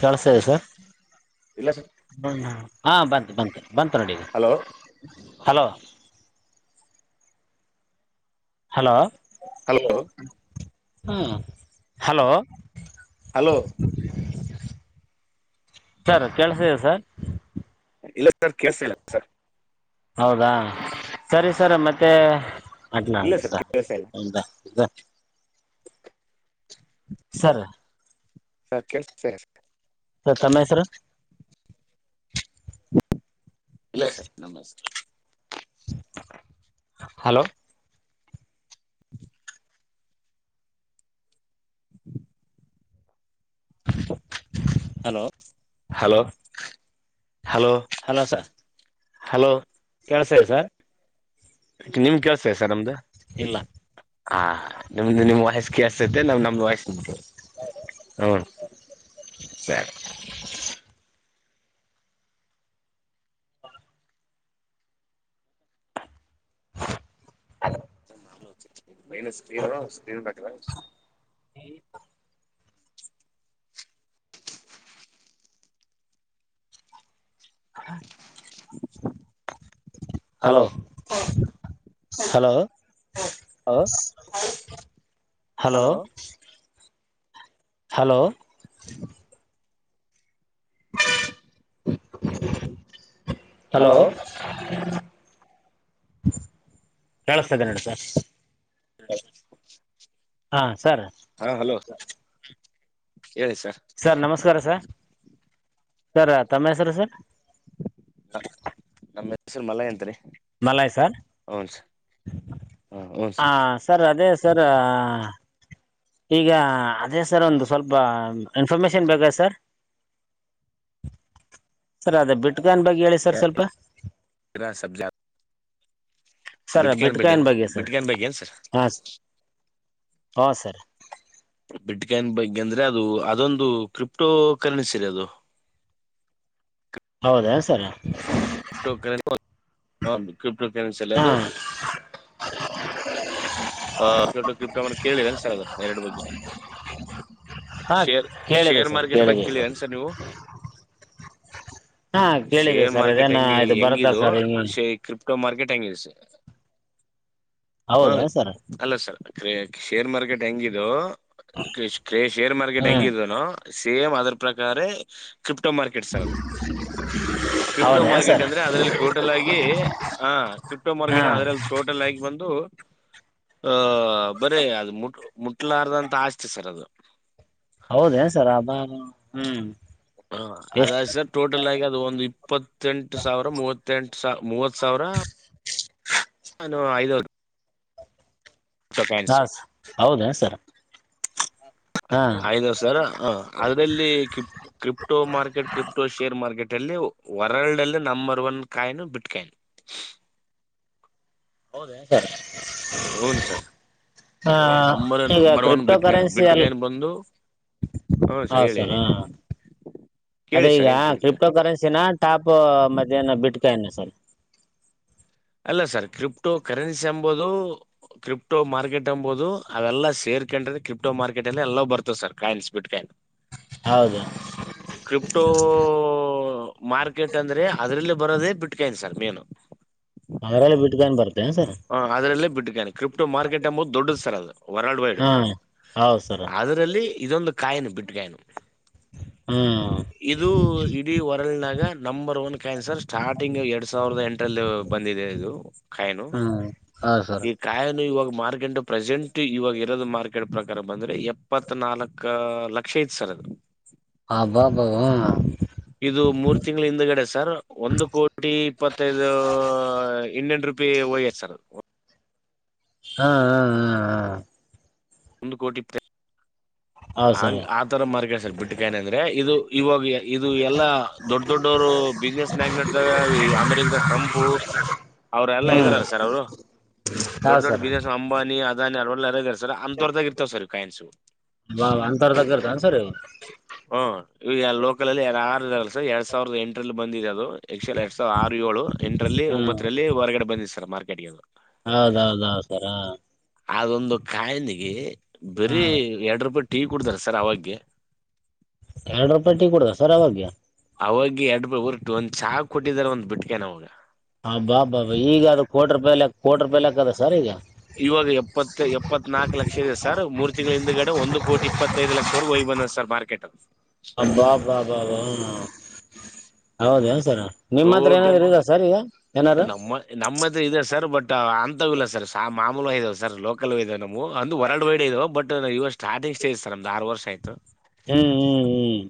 ಕೆಳ್ಸ ಸ ಇಲ್ಲ ಸರ್ ಹ್ಮ ಹಾ ಬಂತು ಬಂತು ಬಂತು ನೋಡಿ ಈಗ ಹಲೋ ಹಲೋ ಹಲೋ ಹಲೋ ಹ್ಮ ಹಲೋ ಹಲೋ ಸರ್ ಕೇಳುಸ್ತಾಇದಿಯ ಸರ್ ಇಲ್ಲ ಸರ್ ಕೆಲ್ಸ ಇಲ್ಲ ಸರ್ ಹೌದಾ ಸರಿ ಸರ್ ಮತ್ತೆ ಅಲೌ ಇಲ್ಲ ಸರ್ ಕೇಳಿಸ್ತಾ ಇಲ್ಲ ಹೌದಾ ಸರ್ ಹ ಕೆಳ್ಸ ಸ ತಮ್ಮ ಹೆಸರ ಇಲ್ಲ ಸರ್ ನಮಸ್ತೆ ಹಲೋ [inaudible] ಹ್ಮ hello hello hello hello sir hello ಕೇಳಿಸ್ತಾ ಇದೆ ಸರ್ ನಿಮ್ ನಿಮ್ಗೆ ಕೆಲ್ಸೇ ಕೇಳಿಸ್ತಾ ಸರ್ ನಮ್ದು ಇಲ್ಲ ಹ ನಿಮ್ದ ನಿಮ್ ವಯಸ್ ಕೆಸತೆ ನಾ್ ನಮ್ದ ವಯಸ್ಸ ಹ ಸ ಮ ಸ್ಕ್ರೀನು ಸ್ಕ್ರೀನ್ [unintelligible] [unintelligible] ಹಾ hello hello hello hello hello hello ಕಳ್ಸ್ತದೆ ನಡಸ ಹಾ ಸರ್ ಹಾ ಹಲೋ ಸರ್ ನಮಸ್ಕಾರ ಸ ಸರ್ ತಮ್ಮ ಹೆಸರ ಸರ್ ನಮ್ಮ ಹೆಸೂರು ಮಲೈ ಅತ್ರಿ ಹನ್ಸ ಹ ಸರ್ ಅದೇ ಸರ್ ಈಗ ಅದೇ ಸರ್ ಒಂದು ಸ್ವಲ್ಪ ಇನ್ಫಾರ್ಮೇಶನ್ ಬೇಕ ಸರ್ ಸರಿ ಅದ ಬಿಟ್ಟ ಕನ್ ಬಗ್ಗೆ ಹೇಳಿ ಸರ್ ಸ್ವಲ್ಪ ಸರ್ ಬಿಟ್ಕನ್ ಬಡ ಬಿಟ್ಕಾಯಿನ್ ಬಗ್ಗೆ ಸರ್ ಬಿಟ್ಕನ್ ಬಗ್ ಏನ್ಸರ್ ಹಾಂ ಹಾಂ ಹ ಸರ್ ಬಿಡ್ಕಾಯನ್ ಬಗ್ಗೆ ಅಂದ್ರೆ ಅದು ಅದೊಂದು ಕ್ರಿಪ್ಟೋ ಕರೆನ್ಸಿ ರೀ ಅದು [unintelligible] ಪದ ಸ ಕ್ರಿಪ್ಟೋರೆಿ ಹ ಕ್ರಿಪ್ಟೋ ಕರೆನ್ಸಿ ಎಲ್ಲದು ಹಾಂ ಹ ಕ್ರಿಪ್ಟ ಕೇಳಿ ನನ್ಸ ಎರಡು ಬಗ್ಗೆ ಹಾಂ ಶೇರ್ ಕೇಳಿದೆ ಶೇರ್ ಸರ್ ಮಾರ್ಕೆಟ್ ಬಗ್ ಕೇಳಿದೆ ಕೇಳಿನ್ ಸರ್ ನೀವು ಹಾ ಕೇಳಿದೆ ಶೇರ್ ಸರ್ ಮಾರ್ಕೆಟ್ ಅದೇನ ಹೆಂಗೆ ಇದು ಬರುತ್ತಾ ಹೆಂಗಿದು ಸರ್ ಹಿಂಗ ಕ್ರಿ ಮಾರ್ಕೆಟ್ ಹಂಗಿ ಸ ಹ ಹೌದಾ ಸರ್ ಅಲ್ಲ ಸರ್ ಕ ಶೇರ್ ಮಾರ್ಕೆಟ್ ಹೆಂಗಿದು ಕ್ರ ಶೇರ್ ಮಾರ್ಕೆಟ್ ಹ್ಮ್ ಹೆಂಗಿದನು ಸೇಮ್ ಅದ್ರ ಪ್ರಕಾರ ಕ್ರಿಪ್ಟೋ ಮಾರ್ಕೆಟ್ಸ್ ಅದು ಹ ಕ್ರಿಪ್ಟೋ ಮಾರ್ಕೆಟ್ ಅಂದ್ರೆ ಅದ್ರಲ್ಲಿ ಟೋಟಲ್ ಆಗಿ ಹ ಕ್ರಿಪ್ಟೋ ಹಾ ಮಾರ್ಕೆಟ್ ಅದ್ರಲ್ಲಿ ಟೋಟಲ್ ಆಗಿ ಬಂದು ಅ ಬರಿೀ ಅದು ಮುಟ್ ಮುಟ್ಲಾರ್ದ ಅಂತ ಆಸ್ತಿ ಸರ್ ಅದು ಹೌದೇನ್ ಸರಬ ಹ್ಮ್ ಹ ಎಷ್ಟ್ ಅದಾದ ಸರ್ ಟೋಟಲ್ ಆಗಿ ಅದು ಒಂದು್ ಇಪ್ಪತ್ತೆಂಟು ಸಾವಿರ ಮೂವತ್ತೆಂಟು ಸ ಮೂವತ್ ಸಾವಿರ ಹ ನಾನು ಐದತ್ತು. ಹಾ ಹೌದ ಸರ. ಆಯದವ್ ಸರ ಹ ಅದ್ರಲ್ಲಿ ಕ್ರಿಟ crypto market crypto share market. ಲ್ಲಿ ವರ್ಲ್ಡ್ ಅಲ್ಲಿ ನಂಬರ್ ಒನ್ ಕಾಯಿನ ಬಿಟ್ಕಾಯಿನ. ಹೌದೆನಿರ್ರಿ. ಹೌದು ಸರ್. ನಂಬರ್ ಈಗ ನಂಬರ್ ಒನ್ ಕ್ರಿಪ್ಟೋ ಬಿಟ್ಕಾಯ ಕರೆನ್ಸಿ ಅಲ್ ಬಿಟ್ಕಾಯನ ಬಂದು. ಹೌ ಸರ್ ಹೌದು ಹೇಳಿ ಹಾ ಹೇಳಿ. ಅದೇ ಕೇಳಿ ಈಗ ಸರ್ ಏನ್ ಕೇಳಿ ಕೇಳಿ ಕ್ರಿಪ್ಟೋ ಕರೆನ್ಸಿನ ಟಾಪ್ ಮಧ್ಯಾಹ್ನ ಬಿಟ್ಕನ ಸರ್. ಅಲ್ಲ ಸರ್ ಕ್ರಿಪ್ಟೋ ಕರೆನ್ಸಿ ಎಂಬುದು. ಕ್ರಿಪ್ಟೋ ಮಾರ್ಕೆಟ್ ಅಂಬೋದು ಅವೆಲ್ಲ ಸೇರ್ಕೊಂಡ್ರೆ ಕ್ರಿಪ್ಟೋ ಮಾರ್ಕೆಟ್ ಅಲ್ಲ ಎಲ್ಲ ಬರ್ತವೆ ಸರ್ ಕಾಯಿನ್ಸ್ ಬಿಟ್ಕಾಯಿನ್. ಹೌದು ಕ್ರಿಪ್ಟೋ. ಮಾರ್ಕೆಟ್ ಅಂದ್ರೆ ಅದ್ರಲ್ಲಿ ಬರೋದೇ ಬಿಟ್ಕನಿ ಸರ್ ಮೇನು. ಅವದರಲ್ಲ ಬಿಟ್ಕೊಂಡ ಬರ್ತ್ತ. ಹ ಅದ್ರಲ್ಲೇ ಬಿಟ್ಟಕಾನೆ ಕ್ರಿಪ್ಟೋ ಮಾರ್ಕೆಟ್ ಅಮ್ಮ ದೊಡ್ಡದ ಸರ್ ಅದು ವರ್ಲ್ಡ್ ವೈಡ್. ಹಾಂ ಹೌದು ಸರ್ ಅದ್ರಲ್ಲಿ ಇದೊಂದು ಕಾಯನು ಬಿಟ್ಟಕಾಯನು. ಹ್ಞೂ ಇದು ಇಡೀ ವರಲ್ಡ್ನಾಗ ನಂಬರ್ ಒನ್ ಕ್ಯಾನ್ಸರ್. ಸ್ಟಾರ್ಟಿಂಗ್ ಎರಡ್ ಸಾವಿರದ ಎಂಟಲ್ಲಿ ಬಂದಿದೆ ಇದು ಕೈನು. ಹ್ಞೂ ಹೌದು ಸರ್ ಈ ಕಾಯನು ಇವಾಗ ಮಾರ್ಕಂಡ. ಪ್ರೆಸೆಂಟ್ ಇವಾಗ ಇರೋದು ಮಾರ್ಕೆಟ್ ಪ್ರಕಾರ ಬಂದ್ರೆ ಎಪ್ಪತ್ ನಾಲ್ಕ ಲಕ್ಷ ಐತ್ ಸರ್ ಅದು. ಅಬ್ಬಾಬಾಬ. ಇದು ಮೂರ್ ತಿಂಗಳ ಹಿಂದಗಡೆ ಸರ್ ಒಂದು ಕೋಟಿ ಇಪ್ಪತ್ತೈದು ಇಂಡಿಯಾನ್ ರೂ. ಪೀ ಹೊಗ್ಯಾದ್ ಸರ್. ಹಾ ಹಾ ಹಾ ಹಾ. ಒಂದು ಕೋಟಿ. [inaudible] ಹೌದು ಸರ್ ಹಂಗ್ ಆತರ ಮಾರ್ಕ ಸರ್ ಬಿಟ್ಟಕಾಯನೆ ಅಂದ್ರೆ ಇದು ಇವಾಗ ಇದು ಎಲ್ಲಾ ದೊಡ್ ದೊಡ್ಡವರು. ಬಿಸ್ನೆಸ್ ಮ್ಯಾಗ್ಟ್ ಅಮೆರಿಕದ ಟ್ರಂಪು ಅವ್ರ ಎಲ್ಲಾ ಹ್ಞೂ ಇದಾರಲ್ಲ ಸರ್ ಅವರು. ದೊಡ್ಡ ಹೌದು ದೊಡ್ಡ ಸರ್ ಬಿಸ್ನೆಸ್ ಅಂಬಾನಿ ಅದಾನಿ ಅವರೆಲ್ಲ ಇದ್ದಾರೆ ಸರ್ ಅಂತವರ್ಡ್ದಾಗ ಇರ್ತವ ಸರ್ ಕಾಯನ್ಸು. ಬಾ ಅಂಥವ್ರದಾಗ ಇರ್ತಾನೆ ಸರ್ ಇವು ಹ್ಮ ಇವ ಲೋಕಲ್ ಅಲ್ಲಿ ಯಾರ ಆರ. ಎರಡ್ ಸಾವಿರದ ಎಂಟರಲ್ಲಿ ಬಂದಿದೆ ಅದು. ಎಕ್ಚುಲಿ ಎರಡ್ ಸಾವಿರದ ಆರು ಏಳು ಎಂಟರಲ್ಲಿ ಹ್ಞೂ ಒಂಬತ್ತರಲ್ಲಿ ಹೊರಗಡೆ ಬಂದಿದೆ ಸರ್ ಮಾರ್ಕೆಟ್ಗೆ. ಅಲ್ಲ ಸರ. ಅದೊಂದು ಕಾಯಿನಿಗೆ ಬರೀ ಹಾಂ ಎಡ್ರ ಪಾ. ಟೀ ಕುಡ್ದಾರ ಸರ್ ಅವಾಗಗೆ. ಎರಡು ರೂಪಾಯಿ ಟಿ ಕೊಡುದ ಸರ್ ಅವಾಗ್ಯ. ಅವಾಗ ಎಡ್ ಹೊರ್ಟು ಒಂದ್ ಚಾ ಕೊಟ್ಟಿದಾರ ಒಂದ್ ಬಿಟ್ಕೇನ್ ಅವಾಗ. ಹ ಬಾ ಬಾ ಈಗ ಅದು ಕೋಟಿ ರೂಪಾಯಿ ಕೋಟ ರೂಪಾಯಿ ಲೆಕ್ ಅದ. ಸರ್ ಈಗ ಇವಾಗ ಎಪ್ಪತ್ ಎಪ್ಪತ್ ನಾಕು ಲಕ್ಷ ಇದೆ ಸರ್ ಮೂರ್ ತಿಂಗಳಿಂದ. ಹಿಂದುಗಡೆ ಒಂದು ಕೋಟಿ ಇಪ್ಪತ್ತೈದು ಲಕ್ಷವರೊ ಹೋಗಿ ಬಂದ ಸರ್ ಮಾರ್ಕೆಟ್. ಅಬಾಬಾ ಬಾಬ ಹೌದು ಎನ್ ಸರ. ಟೋಟಲ್ ಏನಾರು ನಮ್ಮ ನಮ್ಮತ್ರ ಇದೆ ಸರ್ ಬಟ್ ಅ. ಇಲ್ಲ ಸರ್ ಮಾಮೂ ಇದಾವೆ ಸರ್ ಲೋಕಲ್ ಇದಾವ ನಮ ಒಂದು ವರ್ಲ್ಡ್ ವೈಡ್ ಇದಾವ ಬಟ್ ನ ಇವಷ್ಟ. ಸ್ಟಾರ್ಟಂಗ್ ಸ್ಟೇಜ ಸರ್ ನಂದು ಆರು ವರ್ಷ ಆಯ್ತು. ಹ್ಮ್ ಹ್ಮ್ ಹ್ಮ್.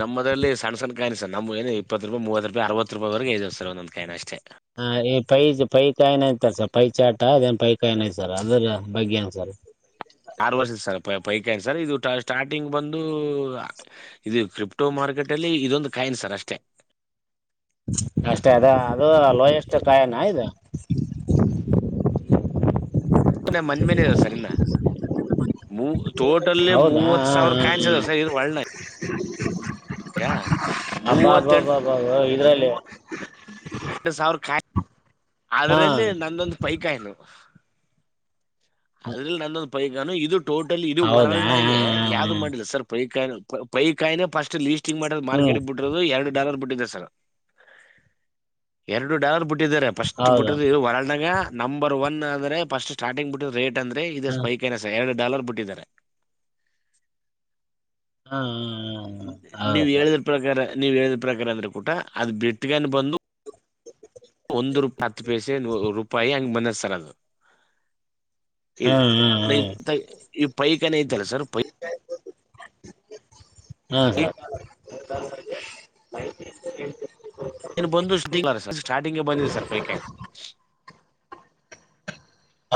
ನಮ್ಮದಲ್ಲಿ ಸಣ್ಣಣ ಕಾಯಿನ್ ಸರ್ ನಮ್ ಏನು ಇಪ್ಪತ್ತುಪಾಯಿ ಮೂವತ್ ರೂಪಾಯಿ ಅರವತ್ತು ರೂಪಾಯಿರೆಗ ಇದೆ ಸರ್ ಒಂದ್ ಒಂದು ಕಾಯಿನ್ ಅಷ್ಟೇ. ಹ ಈ ಪೈ ಪೈಕಾಯಿನ್ತಾರೆ ಸರ್ ಪೈಚಾಟ ಅದೇನ್ ಪೈಕಾಯಿನಯ್ತರ್ ಅದ್ರ ಬಗ್ಗೆ ಏನ್ ಸರ್. ಆರು ವರ್ಷದ ಸರ್ ಪೈಕೈ ಸರ್ ಇದು ಸ್ಟಾರ್ಟಿಂಗ್ ಬಂದು ಇದು. ಟೋ ಮಾರ್ಕೆಟ್ ಅಲ್ಲಿ ಇದೊಂದು ಕಾಯಿನ್ ಸರ್ ಅಷ್ಟೇ [inaudible] ಅಷ್ಟೆ ಅದ ಅದು ಲೋಯೆಸ್ಟ್ ಕಾಯನಾ ಇದು. ನ ಮನ್ ಮೇನೆ ಇದ ಸರಿಂದ ಹೌದಾ ಸಾವಿರ ಹ ಹ ಕಾಯಿನ್ಸ್ ಹ್ಮ ಇದಾವೆ ಸರ್ ಇದ್ರ ಒಳ್ಳ ಈಗ ಹಬ್ಬಾ ಹಬ್ಬಾ ಮೂವತ್ತೆಂಟು ಹಬ್ಬ ಹಬ್ಬಾಬ್ ಇದ್ರಲ್ಲಿ ಎರಡು ಸಾವಿರ ಕಾಯ ಹಾ ಅದ್ರಲ್ಲಿ ನಂದೊಂದು ಪೈಕ ಏನು ಅದ್ರಲ್ಲಿ ನಂದೊಂದು ಪೈಕಾನು ಇದು ಟೋಟಲಿ ಇದು ಹೌದಾ ಹ ಹೊರಲ್ನಾಗೆ ಯಾವ್ದು ಹ ಮಾಡಿಲ್ಲ ಸರ್ ಪೈಕಾನು ಪೈ ಕಾಯಿನ ಫಸ್ಟ್ ಲೀಸ್ಟಿಂಗ್ ಮಾಡ್ ಹ ಹ್ಮ್ ಮಾರ್ಕೆಟ್ ಬಿಡ್ರೋದು ಎರಡು ಡಾಲರ್ ಬಿಟ್ಟಿದೆ ಸರ್ ಎರಡು ಡಾಲರ್ ಬಿಟ್ಟಿದ್ದಾರೆ ಫಸ್ಟ್ ಬಿಟ್ಟ ಹೌದು ಇದು ವರ್ಲ್ಡ್ ನಂಬರ್ ಒನ್ ಅಂದ್ರೆ ಫಸ್ಟ್ ಸ್ಟಾರ್ಟಿಂಗ್ ಬಿಟ್ಟ ರೇಟ್ ಅಂದ್ರೆ ಇದೇ ಹ ಪೈಕನ ಸ ಎರಡು ಡಾಲರ್ ಬಿಟ್ಟಿದ್ದಾರೆ ಹಾ ಹೌದು ನೀವ್ ಸರ್ ಹೇಳುದ್ರ ಪ್ರಕಾರ ನೀವ್ ಹೇಳದ ಪ್ರಕಾರ ಅಂದ್ರೆ ಕೂಟ ಅದು ಬಿಟ್ಟಗಾನ ಬಂದು ಒಂದು ಹತ್ತು ಪೈಸೆ ರೂಪಾಯಿ ಹಂಗ ಬಂದ ಸರ್ ಅದು ಇ ಹ್ಮ್ ಹ್ಮ್ ಹ್ಮ್ ಈ ಪೈಕನ ಇದ್ದಲ್ಲ ಸರ್ ಪೈ ಹ ಹ್ಮ ಹಾ ನೀನ್ ಬಂದು ಶೂಂಗ್ ಸ್ಟಾರ್ಟಿಂಗ್ಗೆ ಬಂದಿದೆ ಸರ್ ಪೈಕ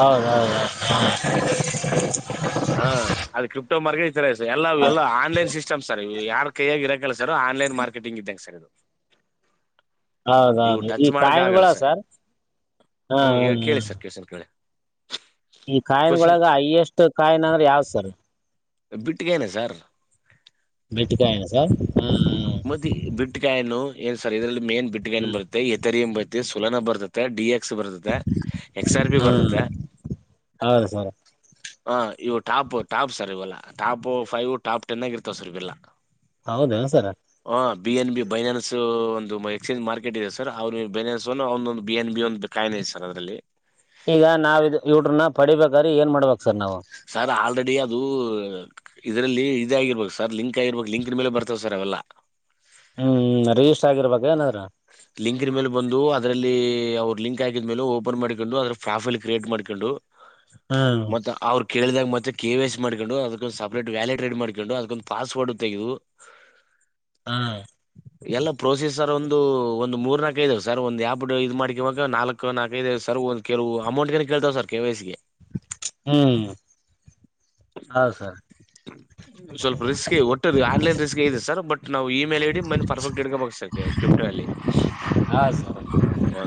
ಹೌದೌದ ಹ ಹಾ ಅದು ಕ್ರಿಪ್ಟೋ ಮಾರ್ಕೆಟ್ ಇ ತರ ಎಲ್ಲಾ ಎಲ್ಲ ಆನ್ಲೈನ್ ಸಿಸ್ಟಮ್ ಸರ್ವು ಯಾರ್ ಕೈಯಾಗಿ ಇರ ಸರ್ ಆನ್ಲೈನ್ ಮಾರ್ಕೆಟಿಂಗ್ ಇದ್ದಂಗ ಸರ್ ಇದು ಇವು ಹೌದೌದು ಈ ಟಚ್ ಮಾಡಕ್ ಕಾಯಿನ್ಗಳ ಆಗಲ್ಲ ಸ ಸರ್ ಹಾ ಹ್ಮ್ ಹಾ ಹೇಳ ಹಾ ಕೇಳಿ ಸರ್ ಕೇಳಸರ್ ಕೇಳಿ ಈ ಕ್ವಶನ್ ಕಾಯಿನಗಳೊಳಗ ಅಯ್ಯೆಸ್ಟ್ ಕಾಯಿನ ಅಂದ್ರೆ ಯಾವ್ ಸರ್ ಬಿಟ್ಟಗೇನೆ ಸರ್ ಮೆಟ್ಟಕಾಯಿನಸ ಮತ್ತೆ ಬಿಟ್ಟಕಾಯನು ಏನ್ ಸರಿ ಇದ್ರಲ್ಲಿ ಮೇನ್ ಬಿಟ್ಟಕಾಯಿನ ಹ್ಮ್ ಬರುತ್ತತೆ ಎತರಿ ಬರ್ತ್ತ ತುಲನಾ ಬರ್ತತೆ ಡಿ ಎಕ್ಸ್ ಬರ್ತತೆ ಎಕ್ಸ್ ಆರ್ ಪಿ ಹ್ಮ್ ಬರ್ತತೆ ಹೌದು ಸರ್ ಹ ಇವು ಟಾಪ್ ಟಾಪ್ ಸರ್ ಇವಲ್ಲ ಟಾಪ್ ಫೈವ್ ಟಾಪ್ ಟೆನ್ ಆಗಿ ಇರ್ತವ ಸರ್ ಇವೆಲ್ಲಾ ಹೌದ sir B N B Binance ಒಂದು ಎಕ್ಸ್ಚೇಂಜ್ ಮಾರ್ಕೆಟ್ ಇದೆ ಸರ್ ಅವ್ ಬೈನಾನ್ಸ್ ಒ ಅವ ಒಂದು ಬಿ ಎನ್ ಬಿ ಒಂದು ಬ ಕ ಸರ್ ಅದ್ರಲ್ಲಿ ಈಗ ನಾವ ಇದು ಯಟ್ಯೂಬ್ ನ ಪಡಿಬೇಕಾದ್ರ ಏನ್ ಮಾಡ್ಬೇಕು ಸರ್ ಆಲ್ರೆಡಿ ಅದು ಇದ್ರಲ್ಲಿ ಇದ ಆಗಿರ್ಬೇಕು ಸರ್ ಲಿಂಕ್ ಆಗಿರ್ಬೇಕು ಲಿಂಕ್ ಮೇಲೆ ಬರ್ತವೆ ಸರ್ ಅವೆಲ್ಲ ಹ್ಮ್ ರಿಜಿಸ್ಟರ್ ಆಗಿರ್ಬ ಏನಾದ್ರೂ ಲಿಂಕಿನ ಮೇಲೆ ಬಂದು ಅದರಲ್ಲಿ ಅವ್ರ ಲಿಂಕ್ ಆಗಕಿದ ಮೇಲೆ ಓಪನ್ ಮಾಡಿಕೊಂಡು ಅದ್ರ ಪ್ರೊಫೈಲ್ ಕ್ರಿಯೇಟ್ ಮಾಡ್ಕೊಂಡು ಹ್ಮ್ ಮತ್ತ ಅವರು ಕೇಳಿದಾಗ ಮತ್ತೆ ಕೆವಿಸ್ ಮಾಡ್ಕೊಂಡು ಅದಕ್ಕೊಂದ್ ಸಪ್ರೇಟ್ ವ್ಯಾಲೆಟ್ ರೆಡಿ ಮಾಡ್ಕೊಂಡು ಅದಕ್ಕೊಂದು ಪಾಸ್ವರ್ಡ್ ತೆಗೆದು ಹ್ಮ್ ಎಲ್ಲ ಪ್ರೊಸೆಸರ್ ಒಂದು ಒಂದು ಮೂರ್ ನಲ್ಕೈದ್ ಸರ್ ಒಂದು ಇ್ ಮಾಡ್ಕಾಗ ನಾಲ್ಕು ನಾಕೈದ ಸರ್ ಒಂದು ಕೆಲವು ಅಮೌಂಟ್ಳ ಸರ್ಕ ವಯಸ್ಸಿಗೆ ಹ್ಮ್ ಹ ಸರ್ ಹ ಸ್ವಲ್ಪ ರಿಸ್ ಒಟ್ಟ ಆನ್ಲೈನ್ ರ್ ಇದೆ ಸರ್ ಬಟ್ ನಾವು ಇ ಮೇಲ್ ಐಡಿ ಮ ಪರ್ಫೆಕ್ಟ್ಡಕಬೇಕು ಸರ್ ಕ್ರಿಟ ಅಲ್ಲಿ ಹ ಹಾ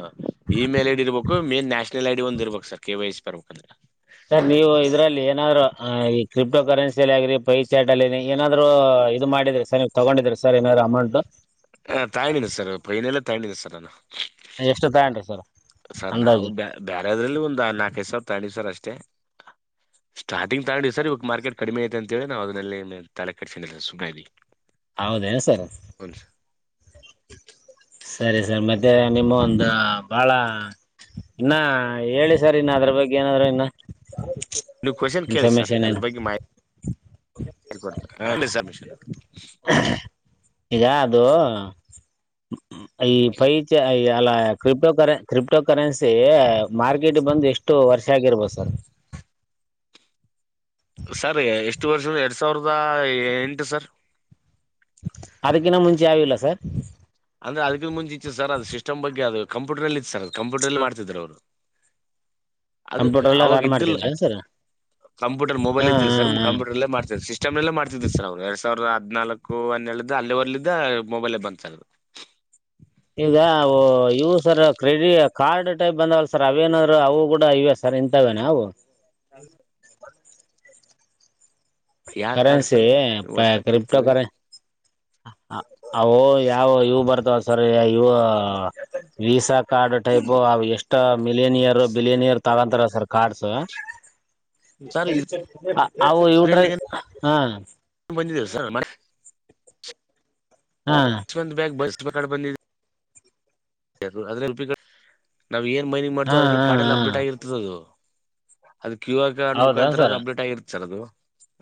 ಇಮೇಲ್ ಐಡಿ ಇರ್ಬೇಕು ಮೇನ್ ನ್ಯಾಷನಲ್ ಐಡಿ ಒಂದ ಇರ್ಬೇಕು ಸರ್ ಕೆ ವೈ ಎಸ್ ಬರ್ ಸರ್ ನೀವು ಇದ್ರಲ್ಲಿ ಏನಾದ್ರು ಈ ಕ್ರಿಪ್ಟೋ ಕರೆನ್ಸಿಯಲ್ಲಿ ಆಗ್ರಿ ಪೈ ಚಾಟ್ ಅಲ್ಲಿ ಏನಾದ್ರು ಇದು ಮಾಡಿದ್ರಿ ಸರ್ ನೀವು ತಗೊಂಡಿದ್ರಿ ಸರ್ ಏನದಾರರು ಅಮೌಂಟ್ ಹ ತಾಯದ್ದೆ ಸರ್ ಪೈನೆಲ್ಲ ತಾಯದ್ದೆ ಸರ್ ನಾನು ಎಷ್ಟು ತಗೊಂಡ್ರಿ ಸರ್ ಸರ್ ನಾ ಅಂದಾಜು ಬ ಬೇರೆದ್ರಲ್ಲಿ ಒಂದ್ ನಾಲ್ಕೈದು ಸಾವ್ರ ತಂಡಿವ ಸರ್ ಅಷ್ಟೇ ಸ್ಟಾರ್ಟಿಂಗ್ ತಗಡಿ ಸರ್ ಇವಾಗ ಮಾರ್ಕೆಟ್ ಕಡಿಮೆ ಐತೆ ಅಂತೇಳಿ ನಾವು ಅದನ್ನಲ್ಲಿ ತಲೆ ಕಟ್ಸೊಂಡ ಸುಮ ಇದತಿ ಹೌದೇನ್ ಸರ್ ಸರಿ ಸರ್ ಮತ್ತೆ ನಿಮ್ಮ ಒಂದು ಬಾಳ ಇನ್ನ ಹೇಳಿ ಸರ್ ಇನ್ನು ಅದ್ರ ಬಗ್ಗೆ ಏನಾದ್ರು ಇನ್ನ ನೀ ಕ್ವಷ್ನ್ ಕೇಳಿ ಸರ್ ಇನ್ಫಾರ್ಮೇಶನ್ ಅದ್ರ ಏನು ಬಗ್ಗೆ ಮಾಹಿ [unintelligible] ಈಗ ಅದು ಈ ಫೈವ ಚ ಅಲ್ಲ ಕ್ರಿಪ್ಟೋ ಕರೆ [unintelligible] ಕ್ರಿಪ್ಟೋ ಕರೆನ್ಸಿ ಮಾರ್ಕೆಟ್ ಬಂದು ಎಷ್ಟು ವರ್ಷ ಆಗಿರ್ಬೋದು ಸರ್ ಸರ್ ಎಷ್ಟು ವರ್ಷ ಎರಡ್ ಸಾವಿರದ ಎಂಟು ಸರ್ ಅದಕ್ಕಿನ್ನ ಮುಂಚೆ ಆಗಿಲ್ಲ ಸರ್ ಅಂದ್ರೆ ಅದಕ್ಕ ಮುಂಚೆ ಇತ್ತು ಸರ್ ಅದು ಸಿಸ್ಟಮ್ ಬಗ್ಗೆ ಅದು ಕಂಪ್ಯೂಟರ್ ಅಲ್ಲಿ ಇತ್ತು ಸರ್ ಕಂಪ್ಯೂಟರ್ಲ್ಲಿ ಮಾಡ್ತಿದ್ರು ಅವರು ಕಂಪ್ಯೂಟರ್ಲ್ಲ ರನ್ ಮಾಡ್ತಿದ್ರಾ ಸರ್ ಕಂಪ್ಯೂಟರ ಹಾ ಮೊಬೈಲ್ ಇದ್ದಿಲ್ಲ ಹಾ ಸರ್ ಹಾ ಕಂಪ್ಯೂಟರ್ಲ್ಲ ಮಾಡ್ತಿದ ಸಿಸ್ಟಮ್ಲ್ಲೇ ಮಾಡ್ತಿದಿ ಸರ್ ಅವಾಗ ಸಾವಿರದ ಹದ್ನಾಲ್ಕು ಹನ್ನೇಳ್ದು ಅಲ್ಲಿೇ ಹೊರ್ಲಿದ ಮೊಬೈಲ್ ಬಂತ ಈಗ ಅವು ಇವು ಸರ ಕ್ರೆಡಿ ಕಾರ್ಡ್ ಟೈಪ್ ಬಂದವಲ್ಲ ಸರ್ ಅವೇನಾದ್ರು ಅವು ಕೂಡ ಇವೆ ಸರ್ ಇಂತವೇನ ಅವು ಹ ಯಾವ ಕಾರ್ಡ್ ಕರೆನ್ಸಿ ಸರ್ ಅದು ಹೊಸ್ದಾಗಿ ಕ್ರಿಪ್ಟೋ ಕೇಳ್ತದ್ರಿ ಕರೆ ಅವೂ ಯಾರ ನಾವು ಇವು ಬರ್ತಾವ ಸರ್ ಇವು ವೀಸಾ ಕಾರ್ಡ್ ಟೈಪ್ ಎಷ್ಟ ಮಿಲನಿಯರ್ ಬಿಲಿಯನಿಯರ್ ತಗಂತಾರ ಸರ್ ಕಾರ್ಡ್ಸ್ ಸರ್ ಅವು [unintelligible] ಹಾ ಬಂದಿದೇವ ಸರ್ [unintelligible] ಹಾ ಸ್ ಒಂದು [unintelligible] ಬ್ಯಾಗ್ ಬಂದಿದೆ ಅದ್ರ [unintelligible] ರುಪಿ ನಾವ ಏನ್ ಮೈನಿಂಗ್ ಮಾಡ್ತೋ ಹಾ ಅದ್ರಲ್ಲಿ ಹಾ ಕಾರ್ಡೆಲ್ಲ ಹಾ ಅಪ್ಡೇಟ್ ಆಗಿರ್ತದ ಅದು ಅದು ಕ್ಯೂ ಆರ್ ಕಾರ್ಡ್ ಹೌದಾ ಮುಖಾಂತರ ಅದು ಸರ್ ಅಪ್ಡೇಟ್ ಆಗಿರುತ್ತ ಸರ್ ಅದು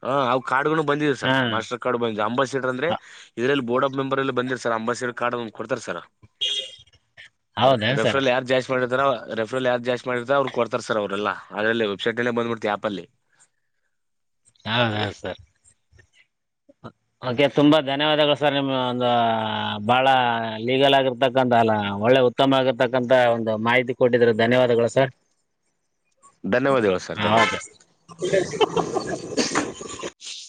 ಹ ಅವ್ ಕಾರ್ಡ್ಗೂ ಬಂದಿದೆ ಹಾ ಸರ್ ಮಾಸ್ಟರ್ ಕಾರ್ಡ್ ಬಂದಿದೆ ಅಂಬಸೀಟರ್ ಅಂದ್ರೆ ಇದ್ರಲ್ಲಿ ಬೋರ್ಡ್ ಆಫ್ ಮೆಂಬರ್ ಎಲ್ಲಿ ಬಂದಿರ್ ಸರ್ ಅಂಬಸಿಟ್ರ್ ಕಾರ್ಡ್ಂದ್ ಕೊಡ್ತಾರೆ ಸರ್ ಹೌದಾ ಸರ್ ರೆಫ್ರಲ್ ಯಾರ್ು ಜಾಸ್ತಿ ಮಾಡಿರ್ತಾರ ರೆಫ್ರಲ್ ಯಾರ್ು ಜಾಸ್ತಿ ಮಾಡಿರ್ತ ಅವ್ರ ಕೊಡ್ತಾರೆ ಸರ್ ಅವ್ರರೆಲ್ಲ ಅದ್ರಲ್ಲಲ್ಲಿ ವೆಬ್ಸೈಟ್ಲ್ಲೇ ಬಂದ್ಬಿಡ್ತಿ ಆ್ಯಪ್ ಅಲ್ಲಿ [unintelligible] ಸರ್ ಓಕೆ ತುಂಬಾ ಧನ್ಯವಾದಗಳು ಸರ್ ನಿಮ್ ಒಂದು ಬಹಳ ಲೀಗಲ್ ಆಗಿರ್ತಕ್ಕಂತ ಅಲ್ಲ ಒಳ್ಳೆ ಉತ್ತಮ ಆಗತಕ್ಕಂತ ಒಂದು ಮಾಹಿತಿ ಕೊಟ್ಟಿದ್ರೆ ಧನ್ಯವಾದಗಳು ಸರ್ ಧನ್ಯವಾದಗಳು ಸರ್ ಹಾ ಧನ್ಯವಾದ ಹೌದ [unintelligible] [unintelligible]